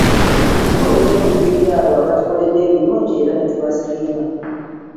Kikulu nnyo okujjukira abo abatukoledde ebirungi era ne tubasiima.